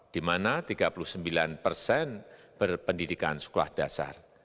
di mana tiga puluh sembilan persen berpendidikan sekolah dasar